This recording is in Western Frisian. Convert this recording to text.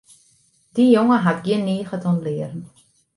Dy jonge hat gjin niget oan learen.